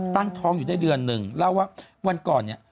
ตั้งท้องอยู่ได้เดือนหนึ่งเล่าว่าวันก่อนเนี่ย